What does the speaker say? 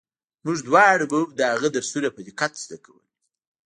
موږ دواړو به هم د هغه درسونه په دقت زده کول.